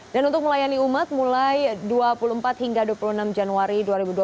dan untuk melayani umat mulai dua puluh empat hingga dua puluh enam januari dua ribu dua puluh